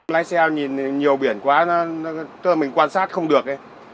lái xe nhìn nhiều biển quá tức là mình quan sát không được